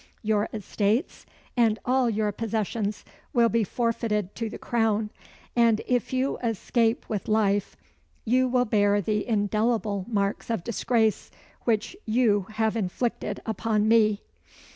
Your estates and all your possessions will be forfeited to the Crown; and, if you escape with life, you will bear the indelible marks of disgrace which you have inflicted upon me!"